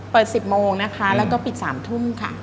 เปิด๑๐โมงนะคะแล้วก็ปิด๓ทุ่มค่ะ